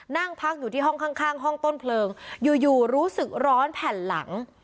นั่งพักอยู่ที่ห้องข้างห้องต้นเพลิงอยู่รู้สึกร้อนแผ่นหลัง